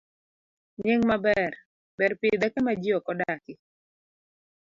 B. Nying maber. Ber pidhe kama ji ok odakie